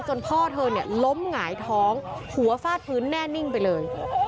พ่อเธอเนี่ยล้มหงายท้องหัวฟาดพื้นแน่นิ่งไปเลย